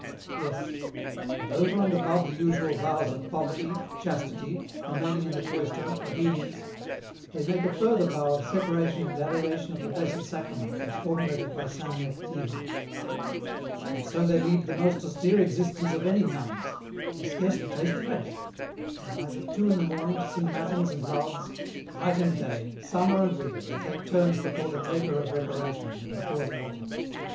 " Yes ; but over and above the usual vows of poverty, chastity, remaining in the cloister, obedience, they make a further vow of separation and adoration of the Blessed Sacrament, as formulated by Saint Mechtilde. " And so they lead the most austere existence of any nuns. They scarcely taste flesh ; they rise at two in the morning to sing Matins and Lauds, night and day, summer and winter, they take turns before the taper of reparation, and before the altar.